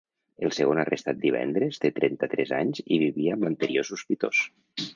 El segon arrestat divendres té trenta-tres anys i vivia amb l’anterior sospitós.